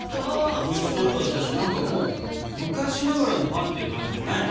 おいしそうだったし何かもう昔ながらのパンっていう感じじゃないね。